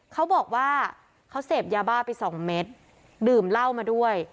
เขาบอกว่าเขาเสพยาบ้าไปสองเม็ดดื่มเหล้ามาด้วย